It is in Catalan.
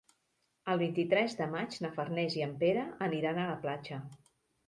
El vint-i-tres de maig na Farners i en Pere aniran a la platja.